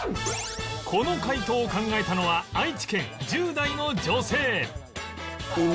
この回答を考えたのは愛知県１０代の女性